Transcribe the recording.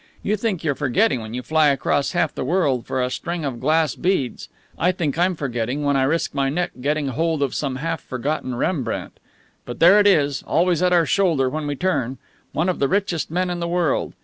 You think you're forgetting when you fly across half the world for a string of glass beads. I think I'm forgetting when I risk my neck getting hold of some half forgotten Rembrandt. But there it is, always at our shoulder when we turn. One of the richest men in the world!